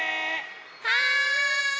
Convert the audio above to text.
はい！